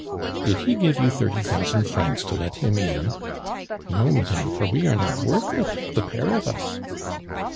"Did he give you thirty thousand francs to let him in?" "No, madame, for we are not worth it, the pair of us."